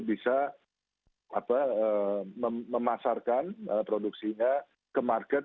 bisa memasarkan produksinya ke market